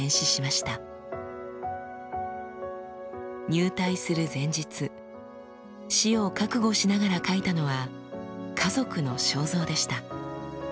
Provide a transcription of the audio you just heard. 入隊する前日死を覚悟しながら描いたのは家族の肖像でした。